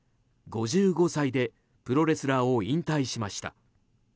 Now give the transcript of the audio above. ５５歳でプロレスラーを引退しました。